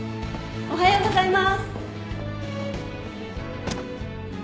おはようございます。